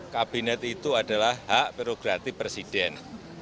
kabinet itu adalah hak prerogatif presiden